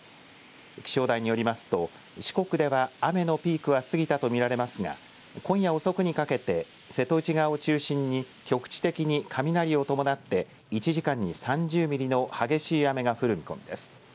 気象台によりますと四国では雨のピークは過ぎたと見られますが今夜遅くにかけて瀬戸内側を中心に局地的に雷を伴って１時間に３０ミリの激しい雨が降る見込みです。